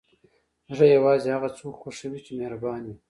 زړه یوازې هغه څوک خوښوي چې مهربان وي.